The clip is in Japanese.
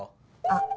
あっ。